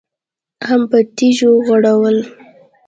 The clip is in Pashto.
هم په تيږو غړول.